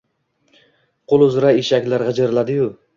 Ko’l uzra eshkaklar g’ijirlashi-yu